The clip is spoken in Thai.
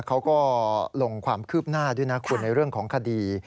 เขาก็ลงความคืบหน้าด้วยนะคุณในเรื่องของคดี